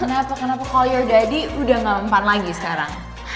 kenapa kenapa call your daddy udah malem pan lagi sekarang